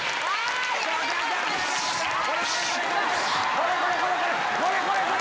これこれこれこれ！